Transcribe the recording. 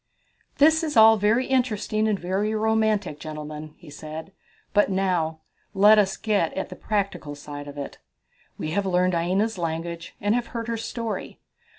"This is all very interesting and very romantic, gentlemen," he said, "but now let us get at the practical side of it. We have learned Aina's language and have heard her story.